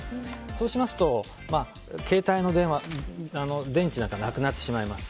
そうしますと、携帯の電池とかはなくなってしまいます。